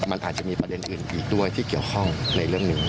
มันอาจจะมีประเด็นอื่นอีกด้วยที่เกี่ยวข้องในเรื่องหนึ่ง